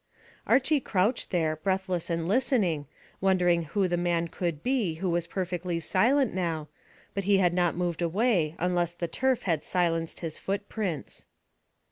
Archy crouched there, breathless and listening, wondering who the man could be who was perfectly silent now, but he had not moved away unless the turf had silenced his footprints.